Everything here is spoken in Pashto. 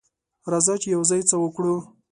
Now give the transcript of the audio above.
راځه چې یوځای څه وکړو.